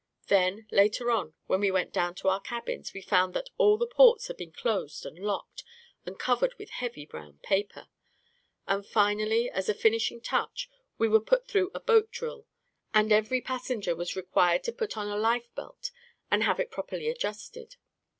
Then later on, when we went down to our cabins, we found that all the ports had been closed and locked and covered with heavy brown paper. And finally, as a finishing touch, we were put through a boat drill, and every passenger was required to put on a life belt and have it properly adjusted.